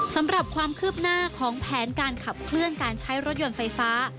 สำหรับความคืบหน้าของแผนการขับเคลื่อนการใช้รถยนต์ไฟฟ้า